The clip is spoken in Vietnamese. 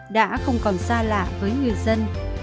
đã không còn xa lạ với người dân